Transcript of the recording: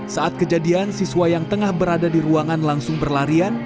saat kejadian siswa yang tengah berada di ruangan langsung berlarian